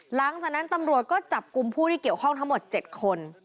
หลังจากนั้นตำรวจก็จับกลุ่มผู้ที่เกี่ยวข้องทั้งหมด๗คน